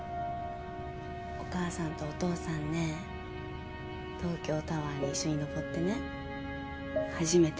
お母さんとお父さんね東京タワーに一緒にのぼってね初めて手つないだの。